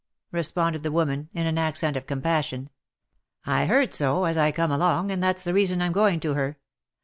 responded the woman, in an accent of compassion. " I heard so, as I come along, and that's the reason I'm going to her.